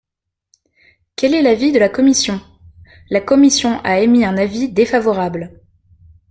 Quel est l’avis de la commission ? La commission a émis un avis défavorable.